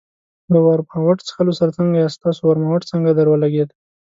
له ورماوټ څښلو سره څنګه یاست؟ ستاسو ورماوټ څنګه درولګېد؟